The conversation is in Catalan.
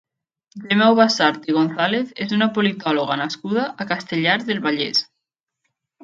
Gemma Ubasart i González és una politòloga nascuda a Castellar del Vallès.